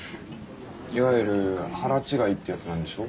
いわゆる腹違いってやつなんでしょ？